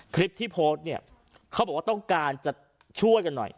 คลิปที่โพสต์เนี่ยเขาบอกว่าต้องการจะช่วยกันหน่อย